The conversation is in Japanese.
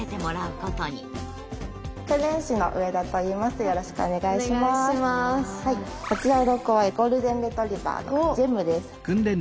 こちらの子はゴールデンレトリバーのジェムです。